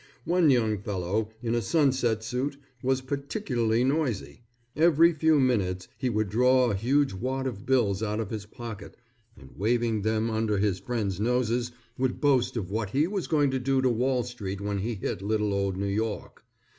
One young fellow, in a sunset suit, was particularly noisy. Every few minutes, he would draw a huge wad of bills out of his pocket and waving them under his friends' noses would boast of what he was going to do to Wall Street when he hit little old New York.